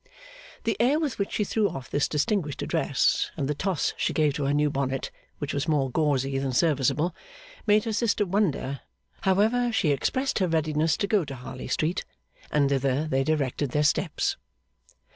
The air with which she threw off this distinguished address and the toss she gave to her new bonnet (which was more gauzy than serviceable), made her sister wonder; however, she expressed her readiness to go to Harley Street, and thither they directed their steps.